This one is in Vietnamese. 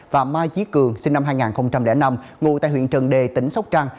và mai chí cường sinh năm hai nghìn năm ngụ tại huyện trần đề tỉnh sóc trăng